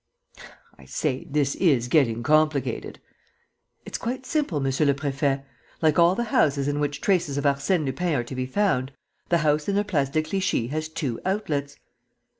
"I say, this is getting complicated!" "It's quite simple, monsieur le préfet. Like all the houses in which traces of Arsène Lupin are to be found, the house in the Place de Clichy has two outlets."